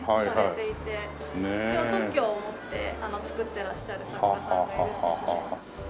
一応特許を持って作ってらっしゃる作家さんがいるんですね。